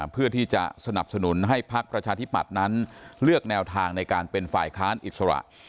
เพื่อที่จะสนับสนุนให้พักประชาธิปัตย์นั้นเลือกแนวทางในการเป็นฝ่ายค้านอิสระ